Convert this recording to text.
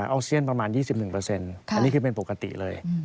อาเซียนประมาณ๒๑อันนี้คือเป็นปกติเลย